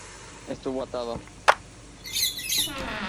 Estuve atado.